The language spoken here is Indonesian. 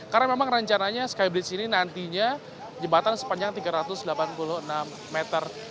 karena memang rencananya sky bridge ini nantinya jebatan sepanjang tiga ratus delapan puluh enam meter